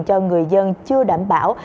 cho người dân chưa đảm bảo